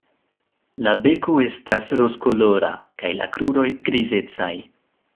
La beko estas rozkolora kaj la kruroj grizecaj.